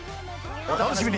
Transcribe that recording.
お楽しみに。